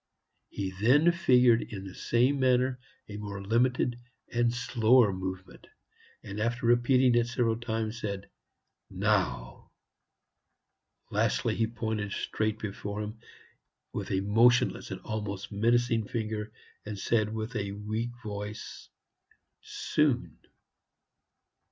He then figured in the same manner a more limited and slower movement, and after repeating it several times, said, "Now." Lastly, he pointed straight before him with a motionless and almost menacing finger, and said with a weak voice, "Soon."